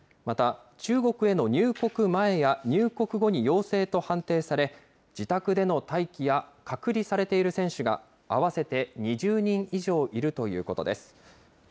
また、中国への入国前や、入国後に陽性と判定され、自宅での待機や隔離されている選手が、合わせて２０人以上いるということです。